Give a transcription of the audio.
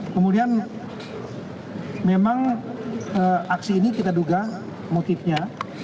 kemudian memang aksi ini kita duga motifnya